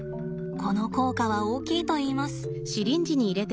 この効果は大きいといいます。